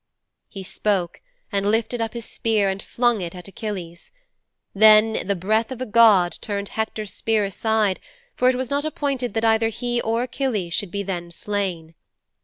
"' 'He spoke and lifted up his spear and flung it at Achilles. Then the breath of a god turned Hector's spear aside, for it was not appointed that either he or Achilles should be then slain.